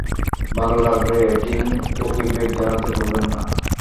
ভালো লাগলে রেটিং ও ফিডব্যাক জানাতে ভুলবেন না।